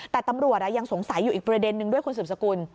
แต่ตำรวจยังสงสัยอยู่อีกประเด็นนึงด้วยคุณสืบสกุล